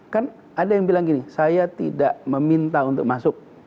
kan ada yang bilang gini saya tidak meminta untuk masuk